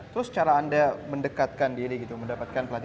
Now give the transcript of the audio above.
terus cara anda mendekatkan diri gitu mendapatkan pelatihan